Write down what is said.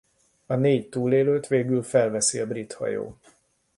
A négy túlélőt végül felveszi a brit hajó.